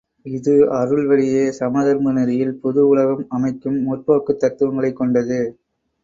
இது அருள்வழியே சமதர்ம நெறியில் புது உலகம் அமைக்கும் முற்போக்குத் தத்துவங்களைக் கொண்டது.